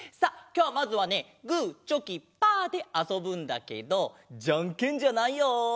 きょうまずはねグーチョキパーであそぶんだけどじゃんけんじゃないよ。